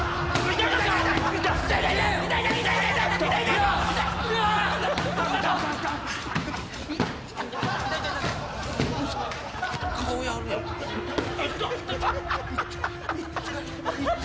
痛っ！